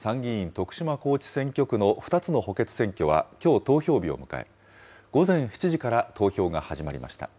徳島高知選挙区の２つの補欠選挙はきょう投票日を迎え、午前７時から投票が始まりました。